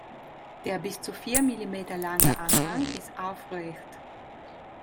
Der bis zu vier Millimeter lange Anhang ist aufrecht.